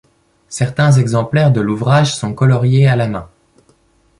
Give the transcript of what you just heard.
Certains exemplaires de l'ouvrage sont coloriés à la main.